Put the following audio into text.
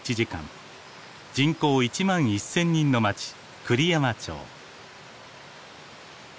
人口１１，０００人の町栗山町。